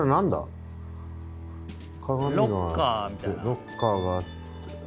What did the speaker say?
ロッカーがあって。